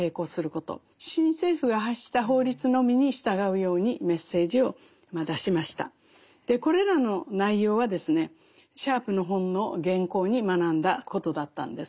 それに対してこれらの内容はですねシャープの本の原稿に学んだことだったんです。